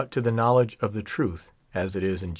to the knowledge of the truth, as It ,* in